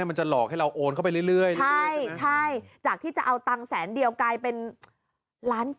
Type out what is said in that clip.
มันจะหลอกให้เราโอนเข้าไปเรื่อยนะใช่ใช่จากที่จะเอาตังค์แสนเดียวกลายเป็นล้าน